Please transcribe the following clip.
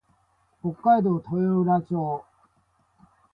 北海道豊浦町